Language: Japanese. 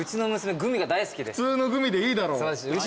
普通のグミでいいだろ。